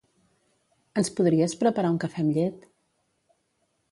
Ens podries preparar un cafè amb llet?